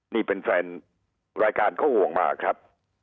นี่เป็นแฟนรายการเขาห่วงมาครับ